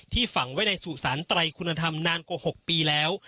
ฝังไว้ในสู่สารไตรคุณธรรมนานกว่า๖ปีแล้ว